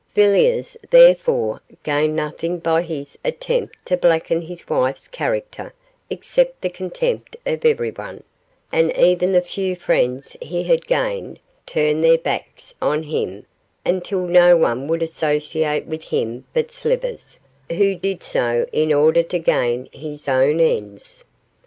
Villiers, therefore, gained nothing by his attempt to blacken his wife's character except the contempt of everyone, and even the few friends he had gained turned their backs on him until no one would associate with him but Slivers, who did so in order to gain his own ends.